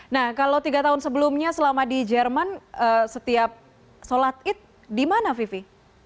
nah kalau tiga tahun sebelumnya selama di jerman setiap sholat id di mana vivi